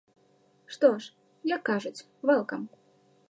Што ж, як кажуць, вэлкам!